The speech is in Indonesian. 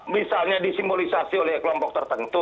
misalnya disimbolisasi oleh kelompok tertentu